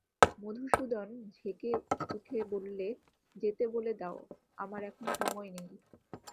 মধুসূদন ঝেঁকে উঠে বললে, যেতে বলে দাও, আমার এখন সময় নেই।